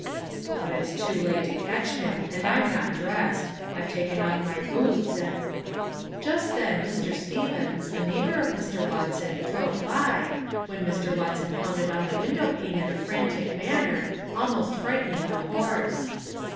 "But it's too late to catch him, and I'm not dressed. I've taken off my boots, and " Just then Mr. Stevens, a neighbor of Mr. Watson, drove by, when Mr. Watson pounded on the window pane in a frantic manner, almost frightening the horse.